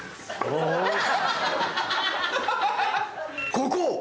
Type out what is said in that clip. ここ！